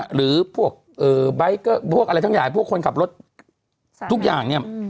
หรือพวกใบเกอร์พวกอะไรทั้งใหญ่พวกคนขับรถทุกอย่างเนี่ย